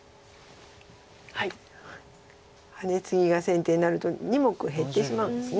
ハネツギが先手になると２目減ってしまうんです。